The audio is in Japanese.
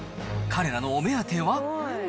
彼らのお目当ては。